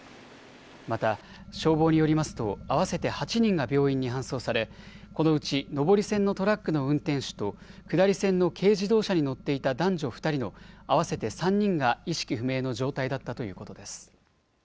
また消防によりますと合わせて８人が病院に搬送されこのうち上り線のトラックの運転手と下り線の軽自動車に乗っていた男女２人の合わせて３人が意識不明の状態だったということです。